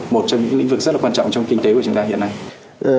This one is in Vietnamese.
một trong những cái lĩnh vực rất là quan trọng